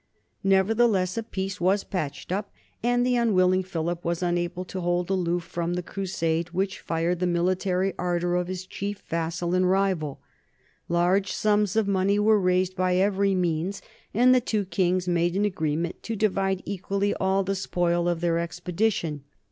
Nevertheless a peace was patched up, and the unwill ing Philip was unable to hold aloof from the crusade which fired the military ardor of his chief vassal and rival. Large sums of money were raised by every means, and the two kings made an agreement to divide equally all the spoil of their expedition.